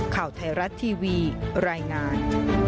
ข่าวไทยรัฐทีวีรายงาน